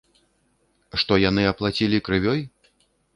Што яны аплацілі крывёй?